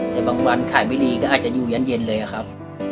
แต่บางวันขายไม่ดีก็อาจจะอยู่เย็นเลยอะครับ